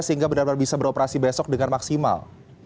sehingga benar benar bisa beroperasi besok dengan maksimal